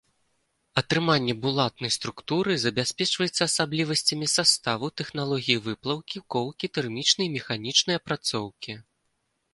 Атрыманне булатнай структуры забяспечваецца асаблівасцямі саставу, тэхналогіі выплаўкі, коўкі, тэрмічнай і механічнай апрацоўкі.